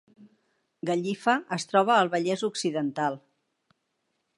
Gallifa es troba al Vallès Occidental